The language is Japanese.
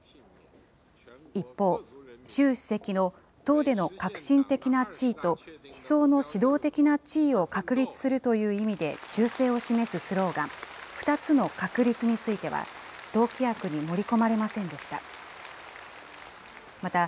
一方、習主席の党での核心的な地位と、思想の指導的な地位を確立するという意味で忠誠を示すスローガン、２つの確立については、党規約に盛り込まれませんでした。